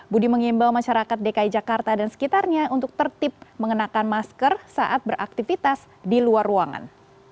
budi mengimbau masyarakat dki jakarta dan sekitarnya untuk tertib mengenakan masker saat beraktivitas di luar ruangan